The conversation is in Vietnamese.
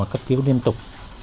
cất cứu liên tục